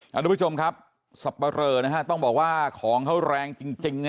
คุณผู้ชมครับซับปะเรอนะฮะต้องบอกว่าของเขาแรงจริงนะฮะ